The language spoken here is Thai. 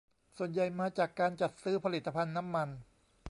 ส่วนใหญ่มาจากการจัดซื้อผลิตภัณฑ์น้ำมัน